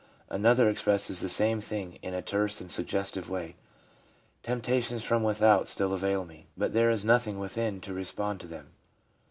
Another expresses the same thing in a terse and suggestive way: ' Temptations from without still assail me, but there is nothing within to respond to them.'